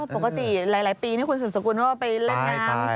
ปกติหลายปีคุณสมสมควรไปเล่นนามสงครามพระแดง